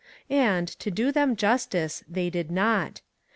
And, to do them justice, they did not.